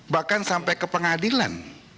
bahkan sampai ke pengadilan